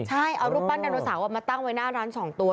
ใช่เอารูปปั้นดาโนเสาร์มาตั้งไว้หน้าร้าน๒ตัว